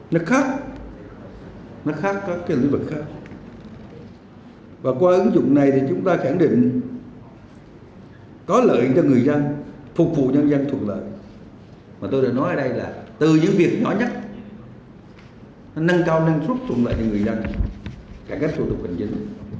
nó khác các cái lĩnh vực khác và qua ứng dụng này thì chúng ta khẳng định có lợi cho người dân phục vụ nhân dân thuộc lợi mà tôi đã nói ở đây là từ những việc nhỏ nhất nó nâng cao năng suất thuộc lợi cho người dân cả các thủ tục bình dân